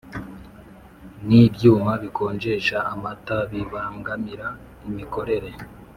N ibyuma bikonjesha amata bibangamira imikorere